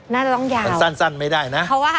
น่าจะต้องใหญ่มันสั้นไม่ได้นะ